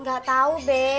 gak tau be